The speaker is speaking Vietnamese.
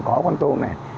có con tôm này